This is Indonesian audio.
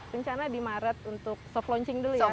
rencana di maret untuk soft launching dulu ya